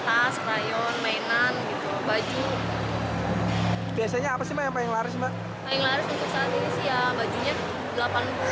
paling laris untuk saat ini sih ya bajunya delapan puluh seratus ya